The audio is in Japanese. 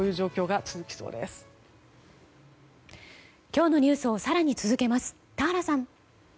今日のニュースを更に続けます、田原さん。